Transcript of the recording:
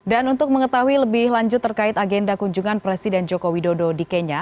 dan untuk mengetahui lebih lanjut terkait agenda kunjungan presiden joko widodo di kenya